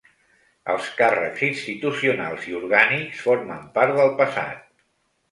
Els càrrecs institucionals i orgànics formen part del passat.